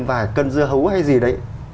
vài cân dưa hấu hay gì đấy